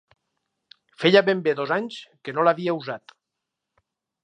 Feia ben bé dos anys que no l'havia usat.